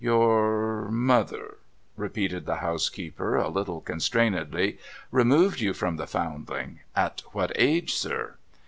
' Your — mother,' repeated the housekeeper, a little constrainedly, * removed you from the Foundling ? At what age, sir